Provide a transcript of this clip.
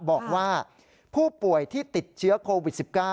บอกว่าผู้ป่วยที่ติดเชื้อโควิด๑๙